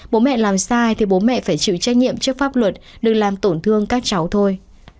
bố mẹ làm sai thì bố mẹ phải chịu trách nhiệm trước pháp luật đừng làm tổn thương các cháu thôi